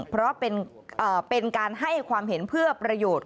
เพราะเป็นการให้ความเห็นเพื่อประโยชน์